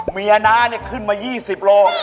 เมียนะเนี่ยขึ้นมา๒๐โล